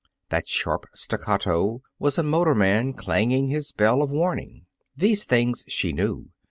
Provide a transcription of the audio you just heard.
That sharp staccato was a motorman clanging his bell of warning. These things she knew.